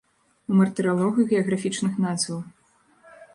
У мартыралогу геаграфічных назваў.